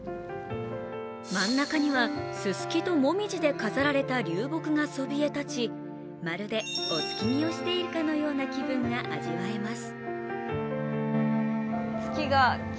真ん中には、ススキと紅葉で飾られた流木がそびえ立ち、まるでお月見をしているかのような気分が味わえます。